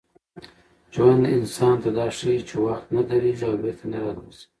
ژوند انسان ته دا ښيي چي وخت نه درېږي او بېرته نه راګرځي.